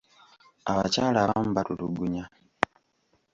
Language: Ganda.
Abakyala abamu batulugunya.